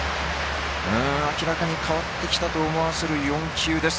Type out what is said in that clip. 明らかに変わってきたと思わせる４球です。